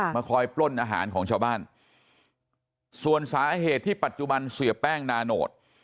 มาคอยปล้นอาหารของชาวบ้านส่วนสาเหตุที่ปัจจุบันเสียแป้งนาโนต